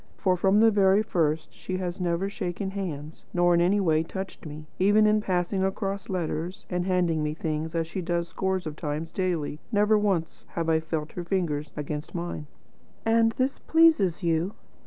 For from the very first she has never shaken hands, nor in any way touched me. Even in passing across letters, and handing me things, as she does scores of times daily, never once have I felt her fingers against mine." "And this pleases you?"